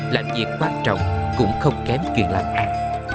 làm việc quan trọng cũng không kém chuyện làm ăn